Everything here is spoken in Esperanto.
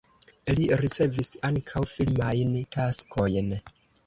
Li ricevis ankaŭ filmajn taskojn.